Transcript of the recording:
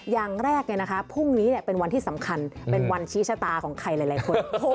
อย่างแรกพรุ่งนี้เป็นวันที่สำคัญเป็นวันชี้ชะตาของใครหลายคน